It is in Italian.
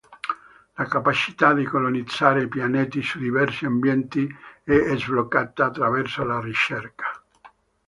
La capacità di colonizzare pianeti su diversi ambienti è sbloccata attraverso la ricerca.